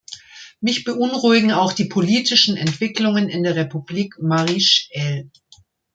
Mich beunruhigen auch die politischen Entwicklungen in der Republik Marij El.